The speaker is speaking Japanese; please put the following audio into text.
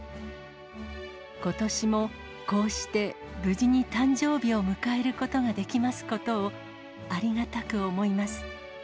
ことしもこうして無事に誕生日を迎えることができますことを、ありがたく思います。